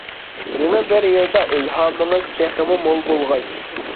يېڭى بىر يىلدا ئىلھامىڭىز تېخىمۇ مول بولغاي!